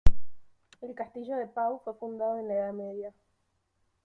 El castillo de Pau fue fundado en la Edad Media.